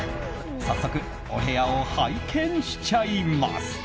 早速、お部屋を拝見しちゃいます。